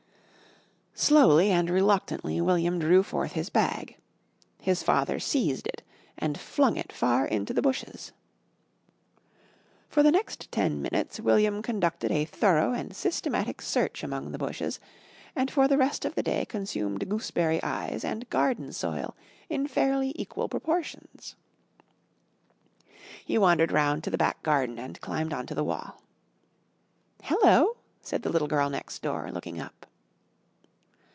Slowly and reluctantly William drew forth his bag. His father seized it and flung it far into the bushes. For the next ten minutes William conducted a thorough and systematic search among the bushes and for the rest of the day consumed Gooseberry Eyes and garden soil in fairly equal proportions. He wandered round to the back garden and climbed on to the wall. "Hello!" said the little girl next door, looking up.